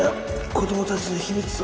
子供たちの秘密を。